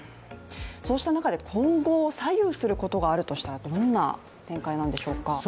そうした中で今後を左右することがあるとしたらどんな展開なんでしょうか。